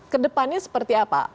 kedepannya seperti apa